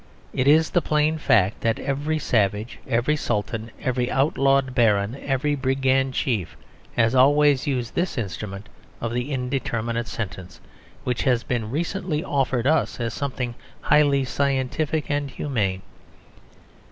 It is the plain fact that every savage, every sultan, every outlawed baron, every brigand chief has always used this instrument of the Indeterminate Sentence, which has been recently offered us as something highly scientific and humane.